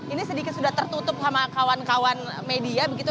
ini sedikit sudah tertutup sama kawan kawan media begitu